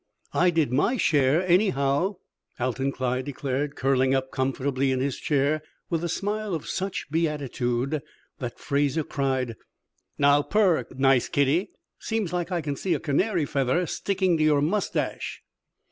"I did my share, anyhow," Alton Clyde declared, curling up comfortably in his chair, with a smile of such beatitude that Fraser cried: "Now purr! Nice kitty! Seems like I can see a canary feather sticking to your mustache."